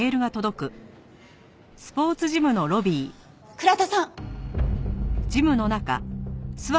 倉田さん！